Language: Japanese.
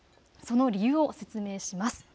その理由を説明します。